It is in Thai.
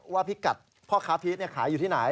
พิกัดพ่อค้าพีชขายอยู่ที่ไหน